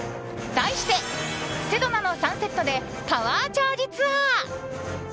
題してセドナのサンセットでパワーチャージツアー。